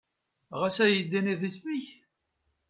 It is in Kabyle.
Ɣas ad yi-d-tiniḍ isem-ik?